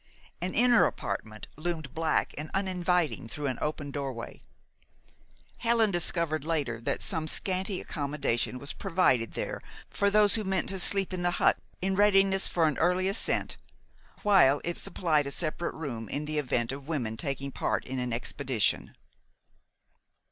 An inner apartment loomed black and uninviting through an open doorway. Helen discovered later that some scanty accommodation was provided there for those who meant to sleep in the hut in readiness for an early ascent, while it supplied a separate room in the event of women taking part in an expedition.